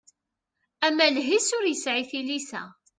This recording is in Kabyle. Amaleh-is ur yesɛi tilisa.